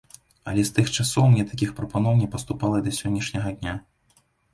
Але з тых часоў мне такіх прапаноў не паступала і да сённяшняга дня.